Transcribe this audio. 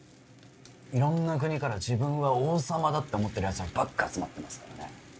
色んな国から自分は王様だって思ってるやつらばっか集まってますからね